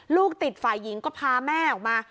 ลูกติดฝ่ายหญิงก็พาแม่ออกมา